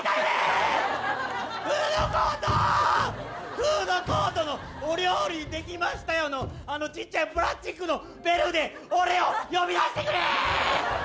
フードコートのお料理出来ましたよのあのちっちゃいプラスチックのベルで俺を呼び出してくれ！